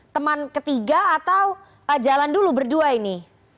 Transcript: teman ketiga atau jalan dulu berdua ini